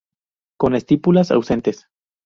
Con estípulas ausentes.